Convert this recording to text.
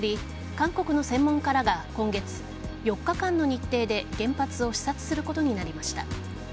韓国の専門家らが今月４日間の日程で原発を視察することになりました。